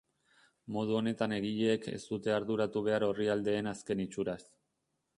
Modu honetan egileek ez dute arduratu behar orrialdeen azken itxuraz.